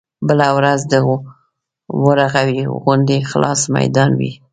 بله ورځ د ورغوي غوندې خلاص ميدان وي.